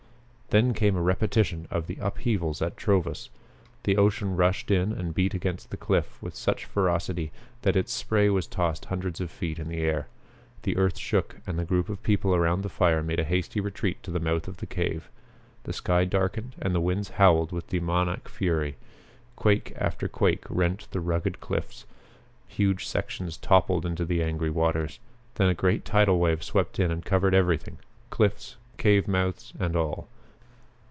Then came a repetition of the upheaval at Trovus. The ocean rushed in and beat against the cliff with such ferocity that its spray was tossed hundreds of feet in the air. The earth shook and the group of people around the fire made a hasty retreat to the mouth of the cave. The sky darkened and the winds howled with demoniac fury. Quake after quake rent the rugged cliffs: huge sections toppled into the angry waters. Then a great tidal wave swept in and covered everything, cliffs, cave mouths and all.